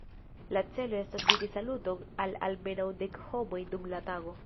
La celo estas diri saluton al almenaŭ dek homoj dum la tago.